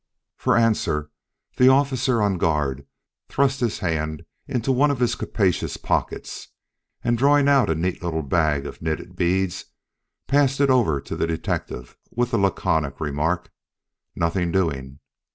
For answer the officer on guard thrust his hand into one of his capacious pockets, and drawing out a neat little bag of knitted beads, passed it over to the detective with the laconic remark: "Nothing doing."